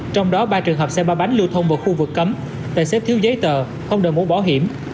trong đó ba trường hợp xe ba bánh lưu thông vào khu vực cấm tài xếp thiếu giấy tờ không đợi muốn bỏ hiểm